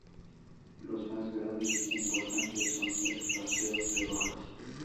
Los más grandes e importantes son: El Paseo de "Rojas".